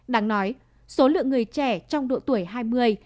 đáng nói số lượng người trẻ trong độ tuổi hai mươi